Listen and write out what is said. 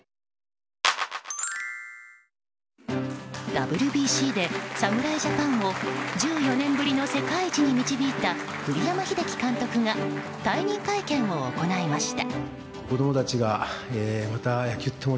ＷＢＣで侍ジャパンを１４年ぶりの世界一に導いた栗山英樹監督が退任会見を行いました。